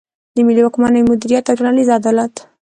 د ملي واکمني مدیریت او ټولنیز عدالت.